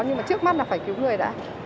nhưng mà trước mắt là phải cứu người đã